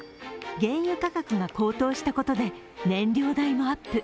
原油価格が高騰したことで燃料代もアップ。